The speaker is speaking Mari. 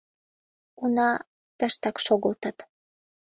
Уна, тыштак шогылтыт.